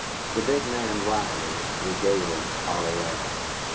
The big man, Riley, regaled Polly Ann.